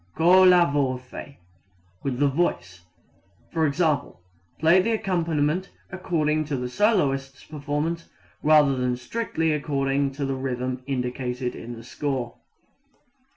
Colla voce with the voice: i.e., play the accompaniment according to the soloist's performance rather than strictly according to the rhythm indicated in the score.